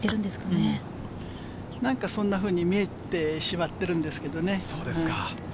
なんか、そんなふうに見えてしまってるんですよね。